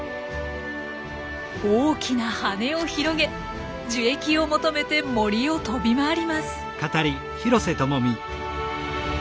大きな羽を広げ樹液を求めて森を飛び回ります。